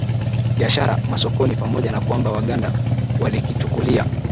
biashara masokoni Pamoja na kwamba Waganda walikichukulia